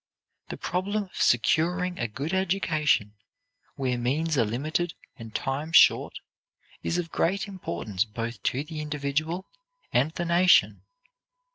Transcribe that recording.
The problem of securing a good education, where means are limited and time short, is of great importance both to the individual and the nation.